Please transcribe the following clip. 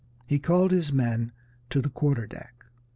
He called his men to the quarter deck.